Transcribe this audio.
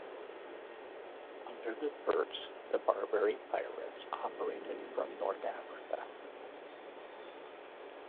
Under the Turks, the Barbary pirates operated from North Africa.